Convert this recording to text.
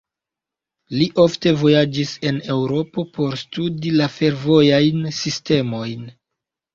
Li ofte vojaĝis en Eŭropo por studi la fervojajn sistemojn.